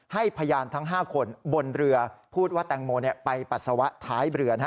พยานทั้ง๕คนบนเรือพูดว่าแตงโมไปปัสสาวะท้ายเรือ